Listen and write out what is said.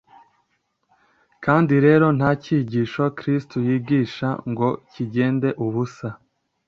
kandi rero nta cyigisho kristo yigishaga ngo kigende ubusa